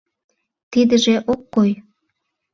Тидыже ок кай.